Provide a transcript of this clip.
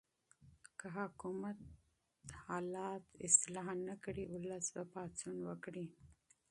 که حکومت وضعیت اصلاح نه کړي، ولس به پاڅون وکړي.